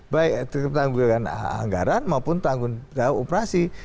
baik bertanggung jawabkan anggaran maupun tanggung jawab operasi